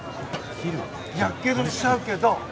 やけどしちゃうけど。